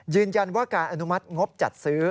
ยืนยันว่าการอนุมัติงบจัดซื้อ